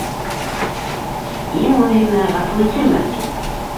Иң мөһиме: ғәфү итерме?..